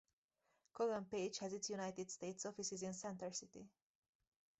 Kogan Page has its United States offices in Center City.